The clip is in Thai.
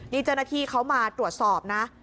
นี่เจ้าหน้าที่เขามาตรวจสอบนะ